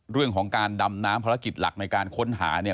เรื่องของการดำน้ำภารกิจหลักในการค้นหาเนี่ย